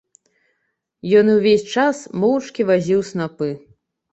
Ён увесь час моўчкі вазіў снапы.